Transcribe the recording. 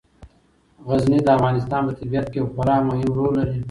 غزني د افغانستان په طبیعت کې یو خورا مهم رول لري.